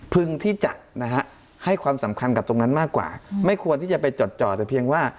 ที่จะนะฮะให้ความสำคัญกับตรงนั้นมากกว่าไม่ควรที่จะไปจดจ่อแต่เพียงว่า